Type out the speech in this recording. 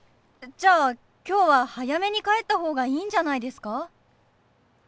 じゃあ今日は早めに帰った方がいいんじゃないですか？